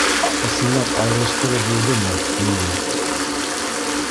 Ысынлап айырылыштығыҙ булдымы инде?